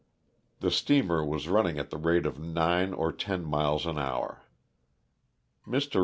The steamer was running at the rate of nine or ten miles an hour. Mr.